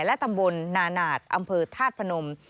และตำบลนานาสอำเภอภาพนม